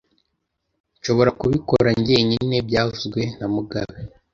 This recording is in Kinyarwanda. Nshobora kubikora njyenyine byavuzwe na mugabe